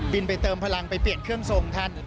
ไปเติมพลังไปเปลี่ยนเครื่องทรงท่าน